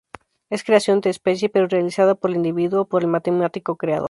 Es creación de especie pero realizada por el individuo, por el matemático creador.